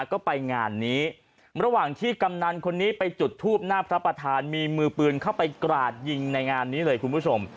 ก็ไปงานนี้ระหว่างที่กำนันคนนี้ไปจุดทูบหน้าพระประธานมีมือปืนเข้าไปกราดยิงในงานนี้เลยคุณผู้ชม